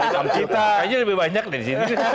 kayaknya lebih banyak di sini